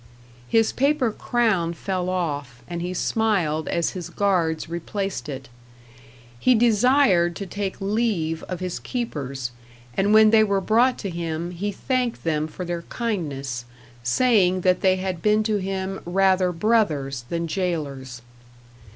His paper crown fell off and he smiled as his guards replaced it. He desired to take leave of his keepers, and when they were brought to him he thanked them for their kindness, saying that they had been to him rather brothers than jailers.